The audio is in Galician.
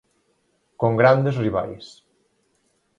Con grandes rivais.